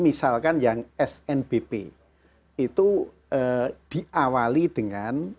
misalkan yang snbp itu diawali dengan